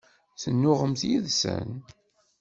Tennuɣemt yid-sen?